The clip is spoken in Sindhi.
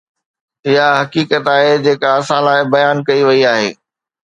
اها حقيقت آهي جيڪا اسان لاءِ بيان ڪئي وئي آهي.